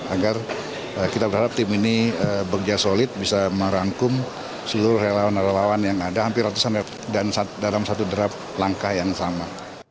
agar kita berharap tim ini bekerja solid bisa merangkum seluruh relawan relawan yang ada hampir ratusan dan dalam satu draft langkah yang sama